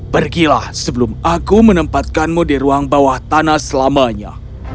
pergilah sebelum aku menempatkanmu di ruang bawah tanah selamanya